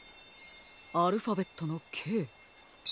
アルファベットの「Ｋ」。